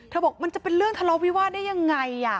บอกมันจะเป็นเรื่องทะเลาวิวาสได้ยังไง